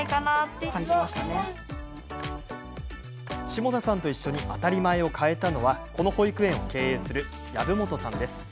下田さんと一緒に当たり前を変えたのはこの保育園を経営する藪本さんです。